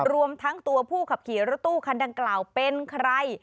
รวมทั้งตัวผู้ขับขี่รถตู้คันดังกล่าวเป็นใคร